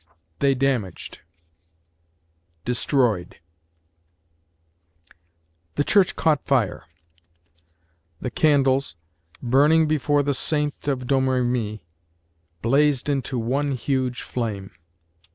THEY damaged. DESTROYED THE church caught fire. The candles, burning before the Saint of Domremy, blazed into one huge flame.